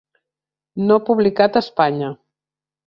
No publicat a Espanya.